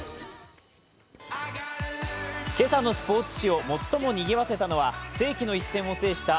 今朝のスポーツ紙最もにぎわせたのは世紀の一戦を制した